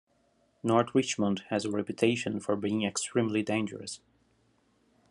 North Richmond has a reputation for being extremely dangerous.